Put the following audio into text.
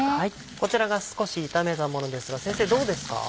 こちらが少し炒めたものですが先生どうですか？